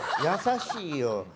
優しいよ。